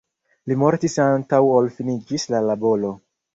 Li mortis antaŭ ol finiĝis la laboro.